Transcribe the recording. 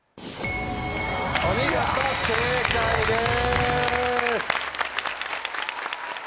お見事正解です。